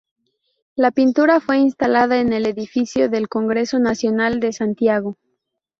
La pintura fue instalada en el edificio del Congreso Nacional de Santiago.